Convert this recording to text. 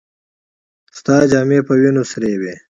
ستا جامې په وينو سرې وې.